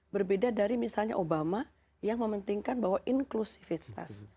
berbeda dari misalnya obama yang mementingkan bahwa inklusivitas